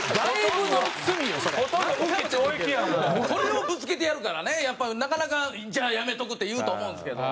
それをぶつけてやるからねやっぱりなかなかじゃあやめとくって言うと思うんですけど。